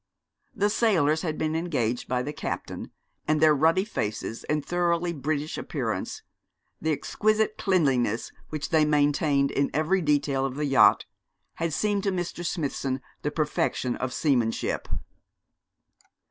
The sailors had been engaged by the captain, and their ruddy faces and thoroughly British appearence, the exquisite cleanliness which they maintained in every detail of the yacht, had seemed to Mr. Smithson the perfection of seamanship.